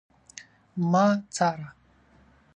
ما څاره